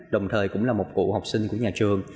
đồng thời cũng là một cụ học sinh của nhà trường